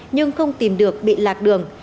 nhưng không tìm được bị lạc đường